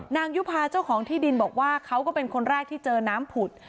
ยุภาเจ้าของที่ดินบอกว่าเขาก็เป็นคนแรกที่เจอน้ำผุด